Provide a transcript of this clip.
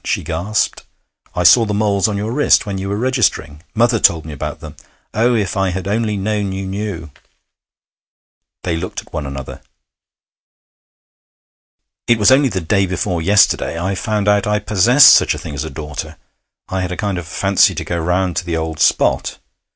she gasped. 'I saw the moles on your wrist when your were registering mother told me about them. Oh, if I had only known you knew!' They looked at one another. 'It was only the day before yesterday I found out I possessed such a thing as a daughter. I had a kind of fancy to go around to the old spot.